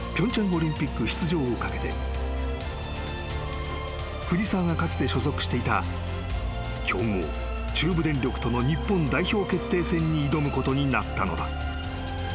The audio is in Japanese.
オリンピック出場を懸けて藤澤がかつて所属していた強豪中部電力との日本代表決定戦に挑むことになったのだ］